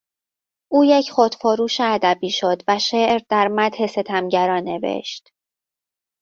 او یک خودفروش ادبی شد و شعر در مدح ستمگران نوشت.